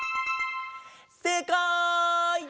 せいかい！